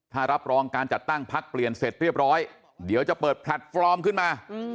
ถ้ารับรองการจัดตั้งพักเปลี่ยนเสร็จเรียบร้อยเดี๋ยวจะเปิดแพลตฟอร์มขึ้นมา